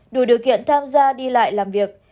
đủ điều kiện tham gia đi lại làm việc